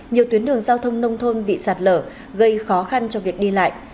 nhiều tuyến đường giao thông nông thôn bị sạt lở gây khó khăn cho việc đi lại